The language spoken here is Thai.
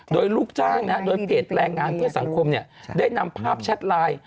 โดยลูกจ้างโดยเพจแรงงานเพื่อสังคมได้นำภาพแชทไลน์